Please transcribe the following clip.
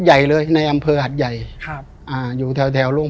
ใหญ่เลยในอำเภอหัดใหญ่ครับอ่าอยู่แถวแถวโรง